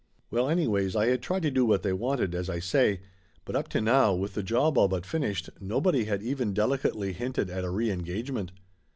Well anyways, I had tried to do what they wanted, as I say. But up to now, with the job all but finished, nobody had even delicately hinted at a reengagement.